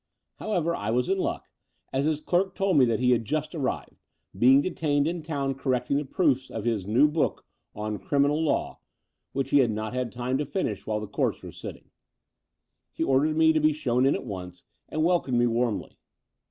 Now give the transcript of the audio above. However, I was in luck, as his clerk told me that he had just arrived, being detained in town cor recting the proofs of his new book on Criminal Law," which he had not had time to finish while the Courts were sitting. He ordered me to be shown in at once and wel comed me warmly.